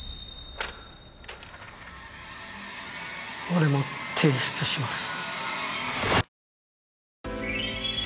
俺も提出します。